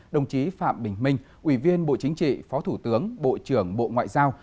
đồng chí phạm bình minh ủy viên bộ chính trị phó thủ tướng bộ trưởng bộ ngoại giao